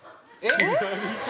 左手？